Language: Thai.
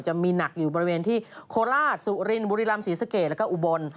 หนักอยู่บริเวณที่โคราชสุรินบุรีรำศรีสะเกดแล้วก็อุบล